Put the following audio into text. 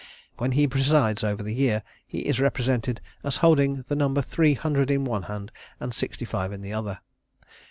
When he presides over the year, he is represented as holding the number three hundred in one hand and sixty five in the other.